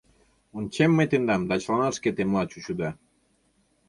Ончем мый тендам, да чыланат шке темла чучыда.